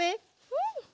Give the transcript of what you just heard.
うん！